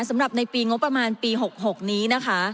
สำหรับในปีงบประมาณปี๖๖นี้นะคะ